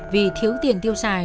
vì thiếu tiền tiêu xài